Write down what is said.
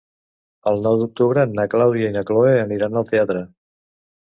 El nou d'octubre na Clàudia i na Cloè aniran al teatre.